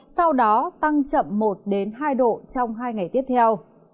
sau đó tăng chậm một hai độ trong hai ngày tiếp theo